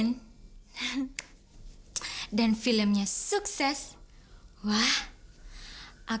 pak saya bekerja